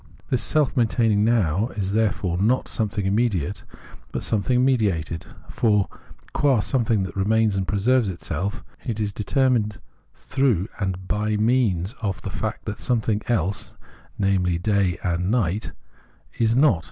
This self maintaining Now is therefore not something immediate but something mediated ; for, qua some thing that remains and preserves itself, it is deter mined through and hy means of the fact that something else, namely day and night, is not.